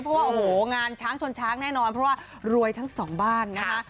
เพราะว่าโอ้โหงานช้างชนช้างแน่นอนเพราะว่ารวยทั้งสองบ้านนะคะ